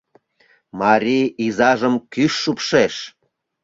Мари изажым кӱш шупшеш.